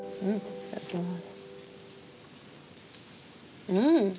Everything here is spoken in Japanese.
いただきます。